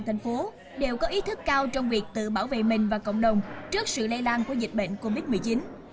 thành phố đều có ý thức cao trong việc tự bảo vệ mình và cộng đồng trước sự lây lan của dịch bệnh covid một mươi chín